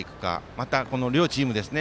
また両チームですね。